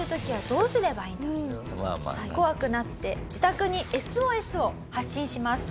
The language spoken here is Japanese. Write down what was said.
怖くなって自宅にＳＯＳを発信します。